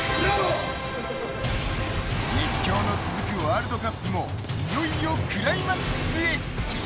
熱狂の続くワールドカップもいよいよクライマックスへ。